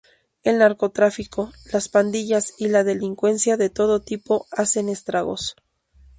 El narcotráfico, las pandillas y la delincuencia de todo tipo hacen estragos.